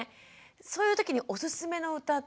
そういうときにおすすめの歌って